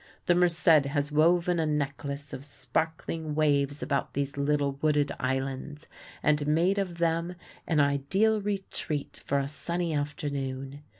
The Merced has woven a necklace of sparkling waves about these little wooded islands, and made of them an ideal retreat for a sunny afternoon.